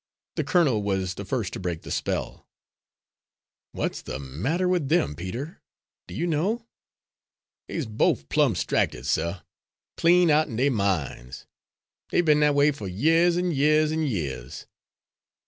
The colonel was the first to break the spell. "What's the matter with them, Peter? Do you know?" "Dey's bofe plumb 'stracted, suh clean out'n dey min's dey be'n dat way fer yeahs an' yeahs an' yeahs."